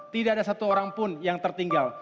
tidak ada satu orang pun yang tertinggal